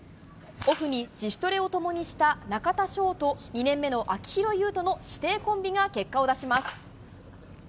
オフに自主トレを共にした中田翔と２年目の秋広優人の師弟コンビが結果を出します。